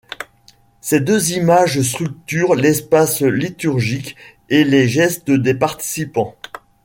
Ces deux images structurent l'espace liturgique et les gestes des participants.